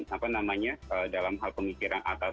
apa namanya dalam hal pemikiran atas